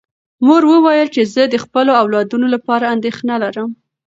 مور وویل چې زه د خپلو اولادونو لپاره اندېښنه لرم.